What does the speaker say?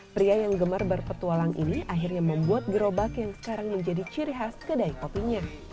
pria yang gemar berpetualang ini akhirnya membuat gerobak yang sekarang menjadi ciri khas kedai kopinya